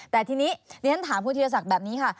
แต่ทีนี้ถ้าท่านถามคุณธิรษักษ์แบบนี้ค่ะ